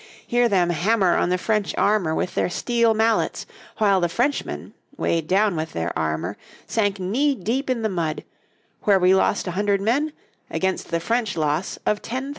Hear them hammer on the French armour with their steel mallets, while the Frenchmen, weighed down with their armour, sank knee deep in the mud where we lost 100 men, against the French loss of 10,000!